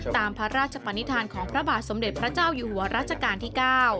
ตามพระราชปนิษฐานของพระบาทสมเด็จพระเจ้าอยู่หัวรัชกาลที่๙